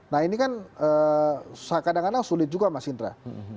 nah ini kan kadang kadang sulit juga mas indra